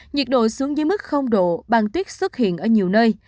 nhiệt độ xuống dưới mức độ băng tuyết xuất hiện ở nhiều nơi